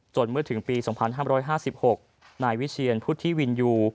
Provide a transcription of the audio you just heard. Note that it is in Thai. จนเมื่อถึงปีสองพันห้ามร้อยห้าสิบหกนายวิเชียนพุธธิวินยู